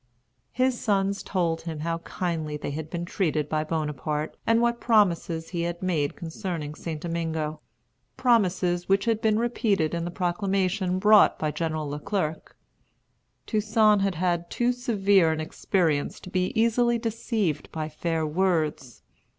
His sons told him how kindly they had been treated by Bonaparte, and what promises he had made concerning St. Domingo, promises which had been repeated in the proclamation brought by General Le Clerc. Toussaint had had too severe an experience to be easily deceived by fair words.